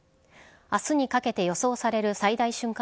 明日にかけて予想される最大瞬間